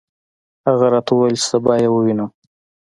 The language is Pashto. هغه راته وویل چې سبا یې ووینم.